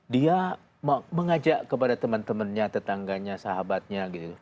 dia mengajak kepada teman temannya tetangganya sahabatnya gitu